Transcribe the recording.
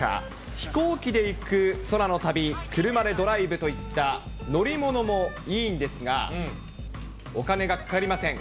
飛行機で行く空の旅、車でドライブといった乗り物もいいんですが、お金がかかりません。